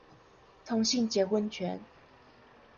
同性結婚權